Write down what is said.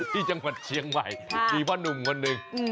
ที่จังหวัดเชียงใหม่มีพ่อหนุ่มคนหนึ่ง